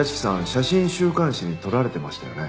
写真週刊誌に撮られてましたよね。